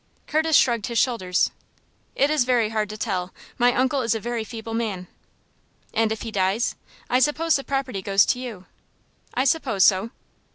Curtis shrugged his shoulders. "It is very hard to tell. My uncle is a very feeble man." "And if he dies, I suppose the property goes to you?" "I suppose so."